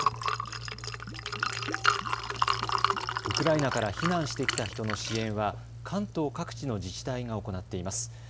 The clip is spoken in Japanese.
ウクライナから避難してきた人の支援は関東各地の自治体が行っています。